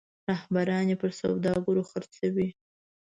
رهبران یې پر سوداګرو خرڅوي.